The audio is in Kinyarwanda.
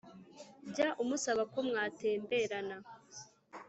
jya umusaba ko mwatemberana